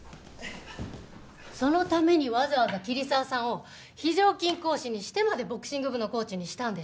そのためにわざわざ桐沢さんを非常勤講師にしてまでボクシング部のコーチにしたんでしょ？